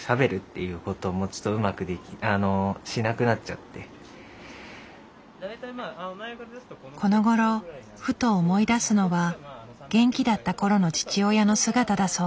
きっかけがこのごろふと思い出すのは元気だったころの父親の姿だそう。